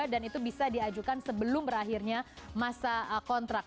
dan itu bisa diajukan sebelum berakhirnya masa kontrak